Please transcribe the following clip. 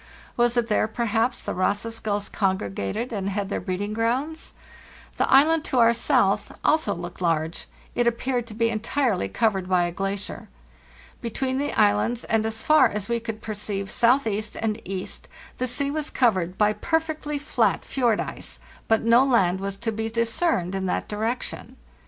Was it there, perhaps, the Ross's gulls congregated and had their breeding grounds? The island to our south also looked large; it appeared to be entirely covered by a elacier.* Between the islands, and as far as we could perceive southeast and east, the sea was covered by per fectly flat fjord ice, but no land was to be discerned in that direction.